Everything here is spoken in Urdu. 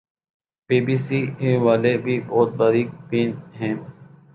بی بی سی والے بھی بہت باریک بین ہیں